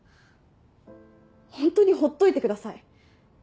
ホントにほっといてください。